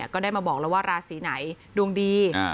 ก็ได้มาบอกแล้วว่าราศีไหนดวงดี